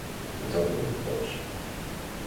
На цёплую б печ.